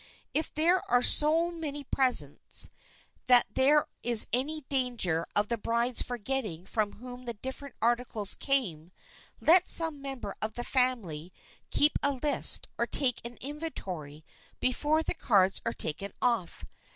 If there are so many present that there is any danger of the bride's forgetting from whom the different articles came, let some member of the family keep a list, or take an inventory, before the cards are taken off.